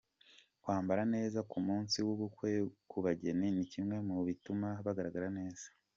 Kwambara neza ku munsi w’ubukwe ku bageni ni kimwe mu bituma bugaragara neza.